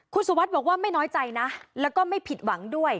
คุณสุวัสดิ์บอกว่าไม่น้อยใจนะแล้วก็ไม่ผิดหวังด้วย